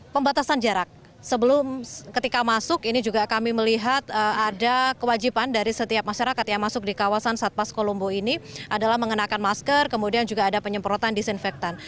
pembatasan jarak sebelum ketika masuk ini juga kami melihat ada kewajiban dari setiap masyarakat yang masuk di kawasan satpas kolombo ini adalah mengenakan masker kemudian juga ada penyemprotan disinfektan